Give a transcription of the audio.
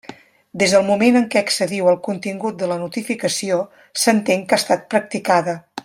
Des del moment en què accediu al contingut de la notificació, s'entén que ha estat practicada.